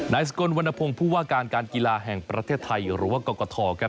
สกลวรรณพงศ์ผู้ว่าการการกีฬาแห่งประเทศไทยหรือว่ากรกฐครับ